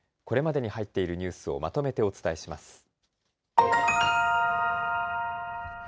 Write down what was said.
これまでに入っているニュースをまとめてお伝えします。